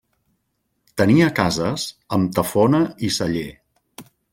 Tenia cases, amb tafona i celler.